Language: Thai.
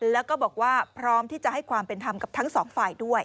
แล้วก็บอกว่าพร้อมที่จะให้ความเป็นธรรมกับทั้งสองฝ่ายด้วย